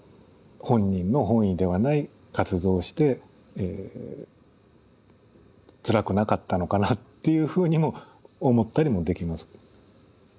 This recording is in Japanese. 本人の本意ではない活動をしてつらくなかったのかなっていうふうにも思ったりもできます。